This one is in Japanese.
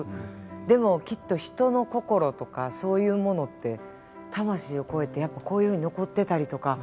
でもきっと人の心とかそういうものって魂を超えてやっぱりこういうふうに残ってたりとか。